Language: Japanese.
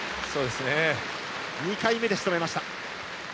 ２回目でしとめました。